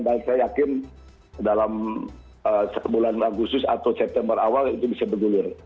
dan saya yakin dalam bulan agustus atau september awal itu bisa bergulir